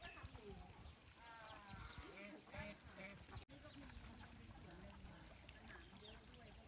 วันหนึ่งก็ได้ประมาณปีห้าร้อยฟวง